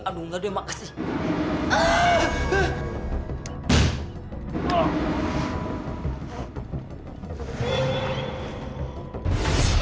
aduh enggak deh makasih